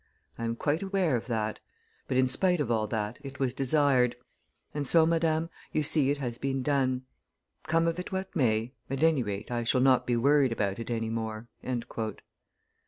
I am quite aware of that; but, in spite of all that, it was desired; and so, Madame, you see it has been done; come of it what may, at any rate I shall not be worried about it any more."